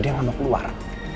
dia ngamuk luar